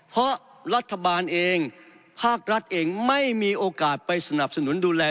เพราะรัฐบาลเองภาครัฐเองไม่มีโอกาสไปสนับสนุนดูแล